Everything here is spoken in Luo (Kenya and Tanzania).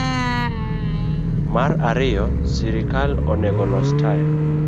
Mar ariyo, sirkal onego olos taya